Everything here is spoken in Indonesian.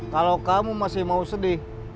kalau kamu masih mau sedih